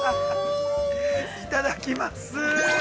◆いただきます。